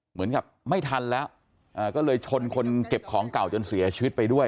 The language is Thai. เหมือนกับไม่ทันแล้วก็เลยชนคนเก็บของเก่าจนเสียชีวิตไปด้วย